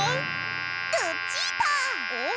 ルチータ！ん？